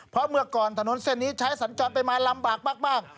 เพราะเมื่อก่อนถนนเส้นนี้ใช้สัญจรไปมาลำบากมาก